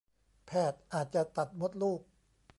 แพทย์อาจจะตัดมดลูก